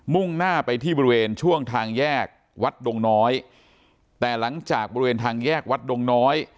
่งหน้าไปที่บริเวณช่วงทางแยกวัดดงน้อยแต่หลังจากบริเวณทางแยกวัดดงน้อย